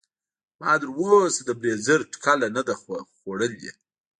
ما تر اوسه د بریځر ټکله نده خودلي.